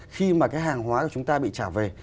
khi mà cái hàng hóa của chúng ta bị trả về